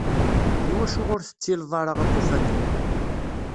Iwacu ur tettileḍ ara aṭufan-nni?